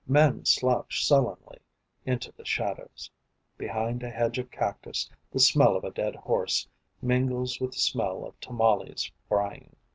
Men slouch sullenly Into the shadows: Behind a hedge of cactus, The smell of a dead horse Mingles with the smell of tamales frying.